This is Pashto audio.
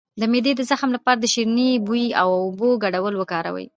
د معدې د زخم لپاره د شیرین بویې او اوبو ګډول وکاروئ